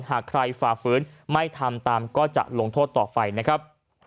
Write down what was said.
หากใครฝ่าฝืนไม่ทำตามก็จะลงโทษต่อไปนะครับ